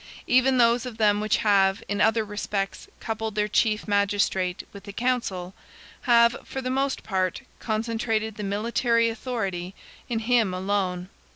Even those of them which have, in other respects, coupled the chief magistrate with a council, have for the most part concentrated the military authority in him alone.